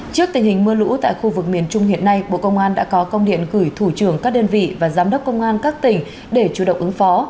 trước tình hình mưa lũ tại khu vực miền trung hiện nay bộ công an đã có công điện gửi thủ trưởng các đơn vị và giám đốc công an các tỉnh để chủ động ứng phó